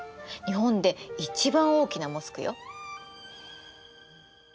日本で一番大きなモスクよ。